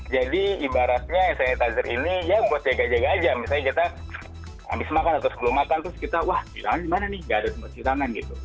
jadi ibaratnya hand sanitizer ini ya buat jaga jaga aja misalnya kita habis makan atau belum makan terus kita wah cuci tangan dimana nih nggak ada tempat cuci tangan gitu